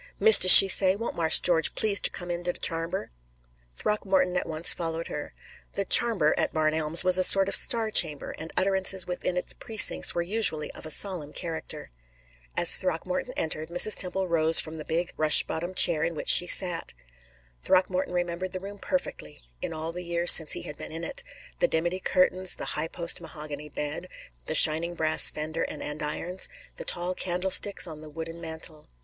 "Mistis, she say, won't Marse George please ter come in de charmber." Throckmorton at once followed her. The "charmber" at Barn Elms was a sort of star chamber, and utterances within its precincts were usually of a solemn character. As Throckmorton entered, Mrs. Temple rose from the big rush bottomed chair in which she sat. Throckmorton remembered the room perfectly, in all the years since he had been in it the dimity curtains, the high post mahogany bed, the shining brass fender and andirons, the tall candlesticks on the high wooden mantel.